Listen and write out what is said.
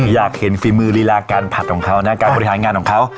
อยากเห็นฝีมือลีลาการผัดของเขานะการบริหารงานของเขา